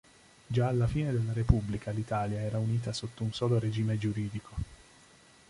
Già alla fine della Repubblica, l'Italia era unita sotto un solo regime giuridico.